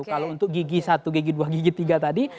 kalau untuk gigi satu gigi dua gigit tiga tadi